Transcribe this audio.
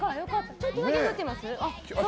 ちょっとだけ降っています？